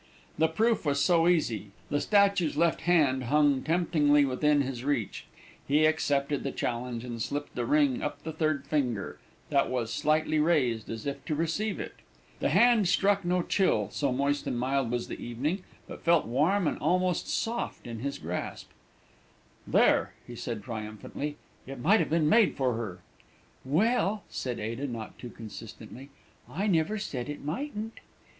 The proof was so easy, the statue's left hand hung temptingly within his reach; he accepted the challenge, and slipped the ring up the third finger, that was slightly raised as if to receive it. The hand struck no chill, so moist and mild was the evening, but felt warm and almost soft in his grasp. "There," he said triumphantly, "it might have been made for her!" [Illustration: "THERE," HE SAID TRIUMPHANTLY, "IT MIGHT HAVE BEEN MADE FOR HER!"] "Well," said Ada, not too consistently, "I never said it mightn't!"